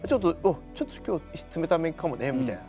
「ちょっと今日冷ためかもね」みたいな。